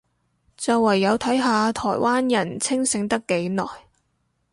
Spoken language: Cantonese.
就唯有睇下台灣人清醒得幾耐